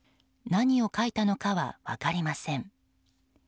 何を書いたのかは分かりません。